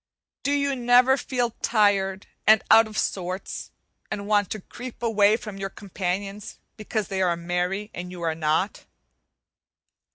Do you never feel tired and "out of sorts," and want to creep away from your companions, because they are merry and you are not?